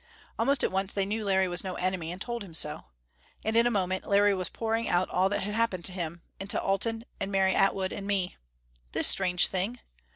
Almost at once they knew Larry was no enemy, and told him so. And in a moment Larry was pouring out all that had happened to him; and to Alten and Mary Atwood and me. This strange thing!